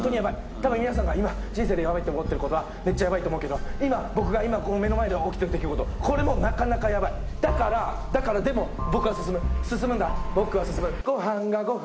多分皆さんが今人生でやばいって思ってることはめっちゃやばいと思うけど今僕が今この目の前で起きてる出来事これもなかなかやばいだからだから進むんだ